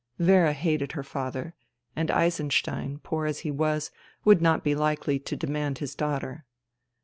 Vera hated her father, and Eisen stein, poor as he was, would not be likely to demand his daughter.